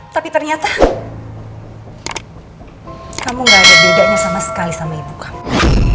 tapi ternyata kamu gak ada bedanya sama sekali sama ibu kamu